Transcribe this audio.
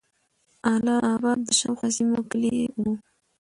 اله آباد د شاوخوا سیمو کیلي وه.